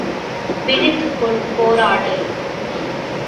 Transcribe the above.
விழித்துக் கொள், போராடு!